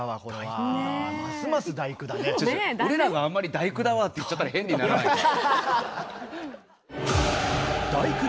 俺らがあんまり「第９」だわって言っちゃったら変にならないか？